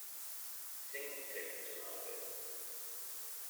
Single tickets are not available.